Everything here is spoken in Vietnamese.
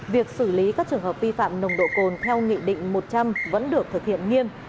việc xử lý các trường hợp vi phạm nồng độ cồn theo nghị định một trăm linh vẫn được thực hiện nghiêm